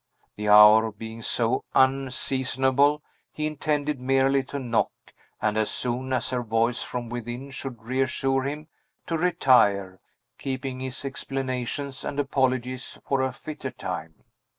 The hour being so unseasonable, he intended merely to knock, and, as soon as her voice from within should reassure him, to retire, keeping his explanations and apologies for a fitter time.